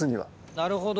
なるほど。